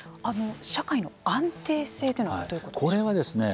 社会の安定性というのはどういうことでしょうか。